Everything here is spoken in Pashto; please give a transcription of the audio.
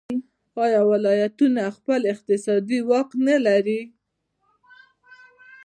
آیا ولایتونه خپل اقتصادي واک نلري؟